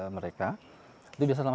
mereka itu sudah selama